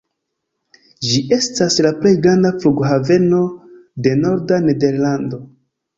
Ĝi estas la plej granda flughaveno de norda Nederlando.